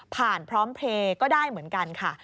พร้อมเพลย์ก็ได้เหมือนกันค่ะ